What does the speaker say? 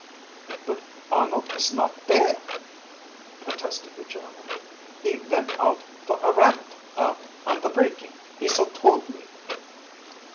"But Arnold is not there," protested the German. "He went for a rabbit, out on the breaking. He so told me."